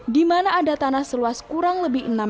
di mana ada tanah seluas kurang lebih enam meter persegi